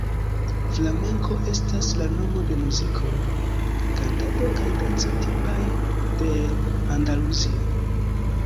Flamenko estas la nomo de muziko, kantado kaj danco tipaj de Andaluzio.